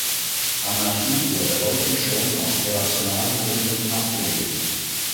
Anarchie wurde häufig schon aus irrationalen Gründen abgelehnt